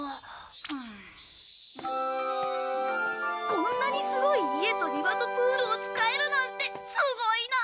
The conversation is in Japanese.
こんなにすごい家と庭とプールを使えるなんてすごいな！